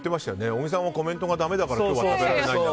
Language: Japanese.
小木さんはコメントがだめだからって。